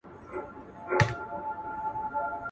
چي په تېغ کوي څوک لوبي همېشه به زخمي وینه.